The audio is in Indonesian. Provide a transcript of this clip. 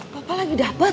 papa lagi dapet